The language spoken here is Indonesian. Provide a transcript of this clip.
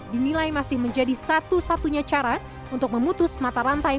dinilai masih menjadi satu satunya cara untuk memutus mata rantai